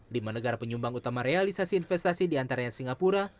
lima negara penyumbang utama realisasi investasi di antaranya singapura